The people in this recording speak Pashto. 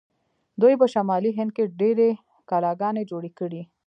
دوی په شمالي هند کې ډیرې کلاګانې جوړې کړې.